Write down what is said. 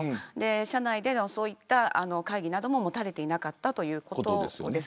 社内での会議なども持たれていなかったということです。